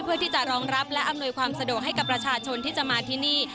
เพื่อที่จะรองรับและอำนวยความสะดวกให้กับประชาชนที่จะมาที่นี่